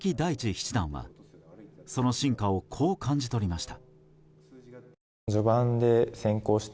七段は、その進化をこう感じ取りました。